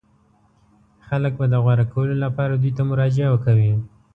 خلک به د غوره کولو لپاره دوی ته مراجعه کوي.